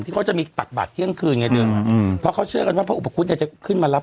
ที่เขาจะมีปักบัตรเที่ยงคืนในเรื่องเพราะเขาเชื่อกันว่าแต่อุปคุณจะขึ้นมา